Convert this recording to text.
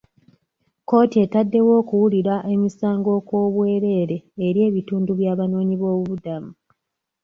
Kkooti etaddewo okuwulira emisango okw'obwereere eri ebitundu by'abanoonyi b'obubuddamu.